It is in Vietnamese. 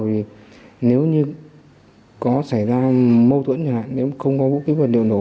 vì nếu như có xảy ra mâu thuẫn nhỏ nếu không có vũ khí vật điện nổ